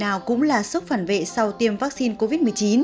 nhiều trường hợp cũng là sức phản vệ sau tiêm vắc xin covid một mươi chín